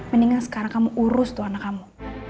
mendingan sekarang kamu urus tuh anak kamu